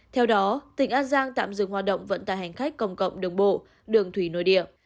theo đó tỉnh an giang tạm dừng hoạt động vận tải hành khách công cộng đường bộ đường thủy nội địa